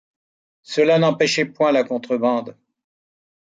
Cela n’empêchait point la contrebande ;